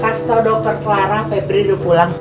kasih tau dokter clara febri udah pulang